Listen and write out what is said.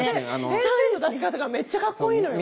先生の出し方がめっちゃかっこいいのよ。